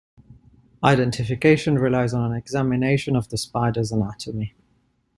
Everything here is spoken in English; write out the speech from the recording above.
Identification relies on an examination of the spider's anatomy.